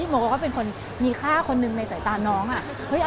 โมโกก็เป็นคนมีค่าคนหนึ่งในสายตาน้องอะ